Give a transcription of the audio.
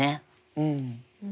うん。